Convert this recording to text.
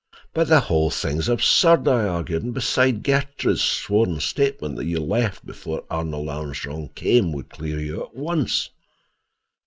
"But the whole thing is absurd," I argued. "And besides, Gertrude's sworn statement that you left before Arnold Armstrong came would clear you at once."